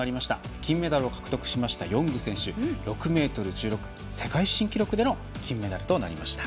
金メダルを獲得しましたヨング選手６ｍ１６、世界新記録での金メダルとなりました。